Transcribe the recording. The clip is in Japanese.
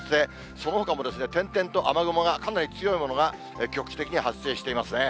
そのほかも点々と雨雲がかなり強いものが局地的に発生していますね。